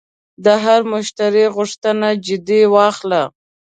د هر مشتری غوښتنه جدي واخله.